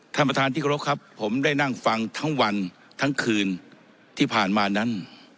ท่านประธานที่เคารพครับผมได้นั่งฟังทั้งวันทั้งคืนที่ผ่านมานั้น